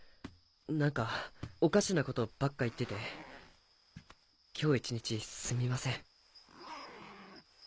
何かおかしなことばっか言ってて今日一日すみません。